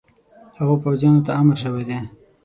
هغو پوځیانو ته امر شوی دی.